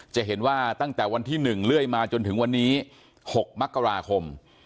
จะเห็นว่าตั้งแต่วันที่๑เรื่อยมาจนถึงวันนี้๖มกราคม